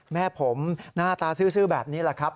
แม่ผมหน้าตาซื่อแบบนี้แหละครับ